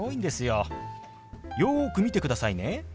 よく見てくださいね。